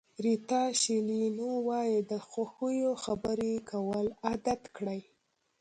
ریتا شیلینو وایي د خوښیو خبرې کول عادت کړئ.